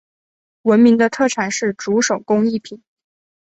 闻名的特产是竹手工艺品。